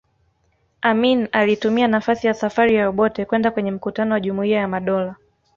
Amin alitumia nafasi ya safari ya Obote kwenda kwenye mkutano wa Jumuiya ya Madola